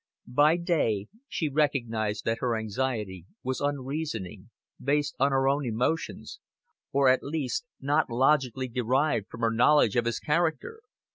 By day she recognized that her anxiety was unreasoning, based on her own emotions, or at least not logically derived from her knowledge of his character.